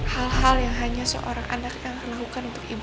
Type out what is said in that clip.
hal hal yang hanya seorang anak yang lakukan untuk ibu